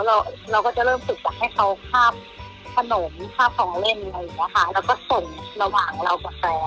เราก็จะเริ่มฝึกจัดให้เค้าคราบขนมคราบของเล่นอะไรอยู่นะคะแล้วก็ส่งระหว่างเรากับแฟร์